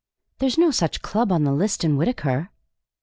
There's no such club on the list in Whitaker."